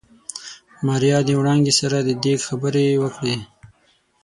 ماريا د وړانګې سره د ديګ خبرې وکړې.